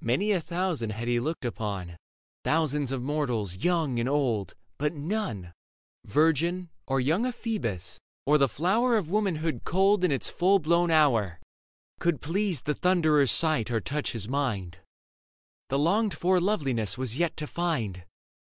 Many a thousand had he looked upon, Thousands of mortals, young and old ; but none — Virgin, or young ephebus, or the flower Of womanhood culled in its full blown hour — Could please the Thunderer's sight or touch his mind ; The longed for loveliness was yet to find.